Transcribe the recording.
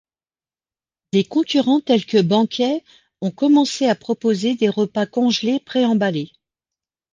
Des concurrents tels que Banquet ont commencé à proposer des repas congelés préemballés.